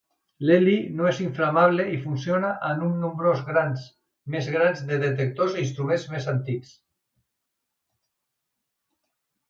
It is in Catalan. L'heli no és inflamable i funciona amb un nombres més gran de detectors i instruments més antics.